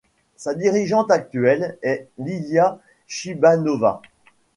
Sa dirigeante actuelle est Lilia Shibanova.